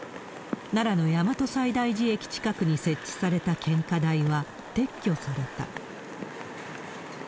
奈良の大和西大寺駅近くに設置された献花台は撤去された。